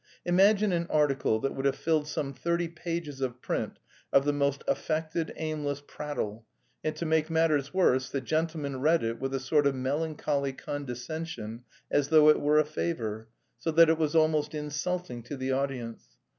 Imagine an article that would have filled some thirty pages of print of the most affected, aimless prattle; and to make matters worse, the gentleman read it with a sort of melancholy condescension as though it were a favour, so that it was almost insulting to the audience.